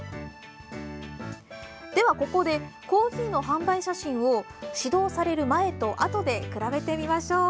では、ここでコーヒーの販売写真を指導される前とあとで比べてみましょう。